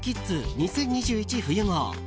２０２１年冬号。